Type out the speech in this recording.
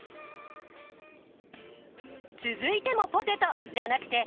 続いてもポテトじゃなくて鍋の中身。